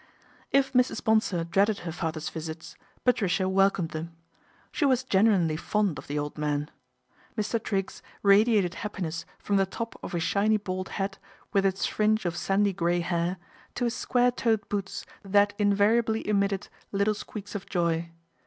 If Mrs. Bonsor dreaded her father's visits, Patricia welcomed them. She was genuinely fond of the old man. Mr. Triggs radiated happiness from the top of his shiny bald head, with its fringe of sandy grey hair, to his square toed boots that THE BONSOR TKIGGS' MENAGE 25 invariably emitted little squeaks of joy.